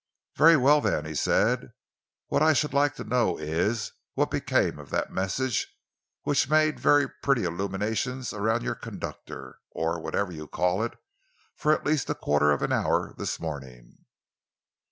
"Very well, then," he said, "what I should like to know is, what became of that message which made very pretty illuminations around your conductor, or whatever you call it, for at least a quarter of an hour this morning?"